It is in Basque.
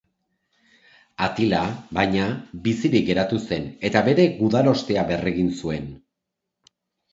Atila, baina, bizirik geratu zen, eta bere gudarostea berregin zuen.